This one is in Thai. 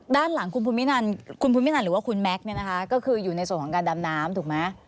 ด้านหลังคุณภูมินันหรือว่าคุณแม็กซ์เนี่ยนะคะก็คืออยู่ในส่วนของการดำน้ำถูกไหม